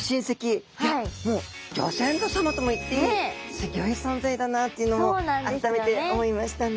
いやギョ先祖さまとも言っていいすギョい存在だなっていうのを改めて思いましたね。